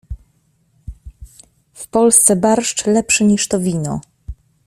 W Polsce barszcz lepszy niż to wino.